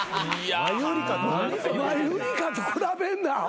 マユリカと比べんなアホ。